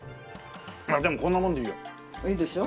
でもこんなもんでいいよ。いいでしょ。